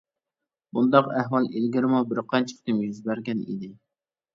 بۇنداق ئەھۋال ئىلگىرىمۇ بىر قانچە قېتىم يۈز بەرگەن ئىدى.